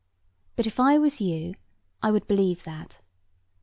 But if I was you, I would believe that.